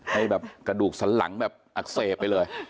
ให้แบบกระดูกสันหลังแบบอักเสบไปเลย